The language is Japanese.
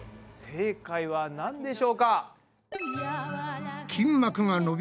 正解はなんでしょうか？